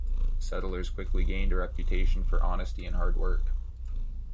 The settlers quickly gained a reputation for honesty and hard work.